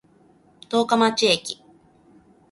十日町駅